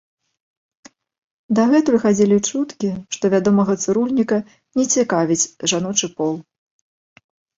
Дагэтуль хадзілі чуткі, што вядомага цырульніка не цікавіць жаночы пол.